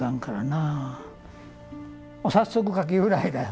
あ早速カキフライだよ。